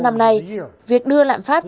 năm nay việc đưa lạm phát